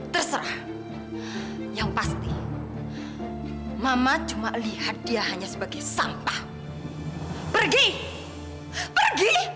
terserah yang pasti mama cuma lihat dia hanya sebagai sampah pergi pergi